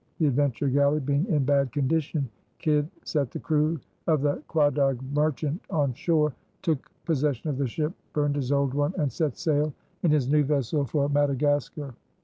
The Adventure Galley being in bad condition, Kidd set the crew of the Quedagh Merchant on shore, took possession of the ship, burned his old one, and set sail in his new vessel for Madagascar.